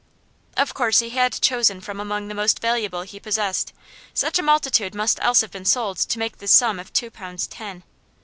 Of course he had chosen from among the most valuable he possessed; such a multitude must else have been sold to make this sum of two pounds ten.